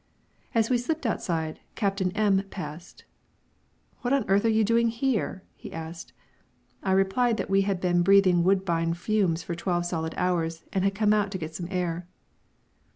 As we slipped outside, Captain M passed. "What on earth are you doing here?" he asked. I replied that we had been breathing Woodbine fumes for twelve solid hours, and had come out to get some air.